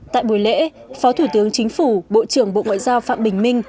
tại buổi lễ phó thủ tướng chính phủ bộ trưởng bộ ngoại giao phạm bình minh